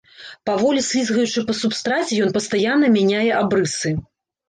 Паволі слізгаючы па субстраце, ён пастаянна мяняе абрысы.